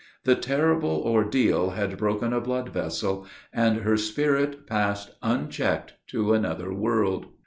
The terrible ordeal had broken a blood vessel, and her spirit passed unchecked to another world.